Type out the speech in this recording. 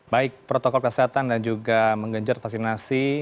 baik protokol kesehatan dan juga menggenjot vaksinasi